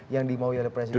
yang dimauin oleh presiden